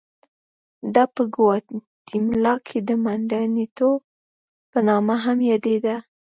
دا په ګواتیمالا کې د منډامینټو په نامه هم یادېده.